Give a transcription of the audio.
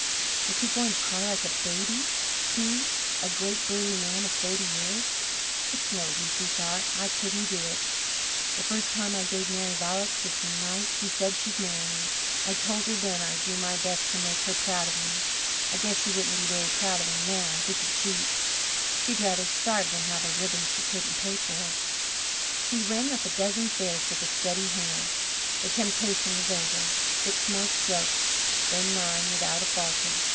Was he going to cry like a baby he, a great burly man of thirty years? "It's no use," he thought. "I couldn't do it. The first time I gave Mary violets was the night she said she'd marry me. I told her then I'd do my best to make her proud of me. I guess she wouldn't be very proud of a man who could cheat. She'd rather starve than have a ribbon she couldn't pay for." He rang up a dozen fares with a steady hand. The temptation was over. Six more strokes then nine without a falter.